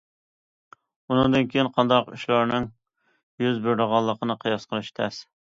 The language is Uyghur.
ئۇنىڭدىن كېيىن قانداق ئىشلارنىڭ يۈز بېرىدىغانلىقىنى قىياس قىلىش تەس.